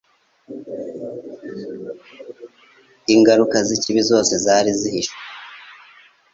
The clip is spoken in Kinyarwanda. Ingaruka 'z'ikibi zose zari zihishwe